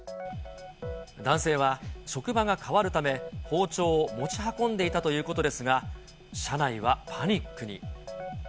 男性は職場が変わるため、包丁を持ち運んでいたということですが、車内はパニックに。